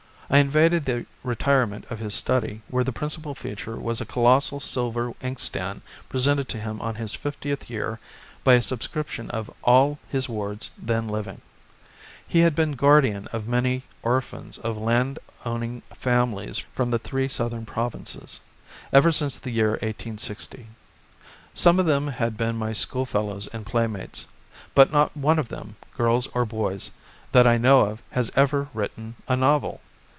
I invaded the retirement of his study where the principal feature was a colossal silver inkstand presented to him on his fiftieth year by a subscription of all his wards then living. He had been guardian of many orphans of land owning families from the three southern provinces ever since the year 1860. Some of them had been my schoolfellows and playmates, but not one of them, girls or boys, that I know of has ever written a novel.